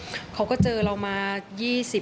เพราะว่าเขาก็เจอเรามา๒๐ปีนะ